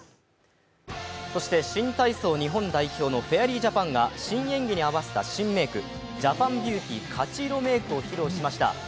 そして新体操日本代表のフェアリージャパンが新演技に合わせた新メークＪａｐａｎＢｅａｕｔｙ勝色メークを披露しました。